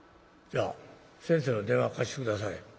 じゃあ先生の電話貸して下さい」。